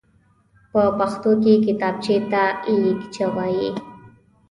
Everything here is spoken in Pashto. په پښتو کې کتابچېته ليکچه وايي.